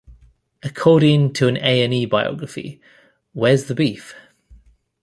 According to an A and E biography, Where's the beef?